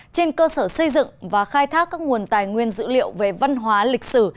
trên cơ sở xây dựng và khai thác các nguồn tài nguyên dữ liệu về văn hóa lịch sử